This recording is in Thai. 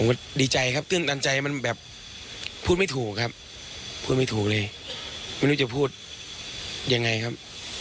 ก็ดีใจครับตื่นตันใจมันแบบพูดไม่ถูกครับพูดไม่ถูกเลยไม่รู้จะพูดยังไงครับ